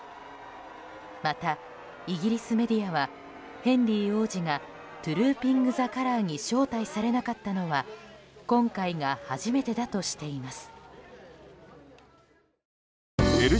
また、イギリスメディアはヘンリー王子がトゥルーピング・ザ・カラーに招待されなかったのは今回が初めてだとしています。